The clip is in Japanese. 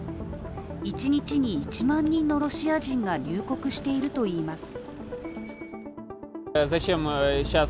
一日に１万人のロシア人が入国しているといいます。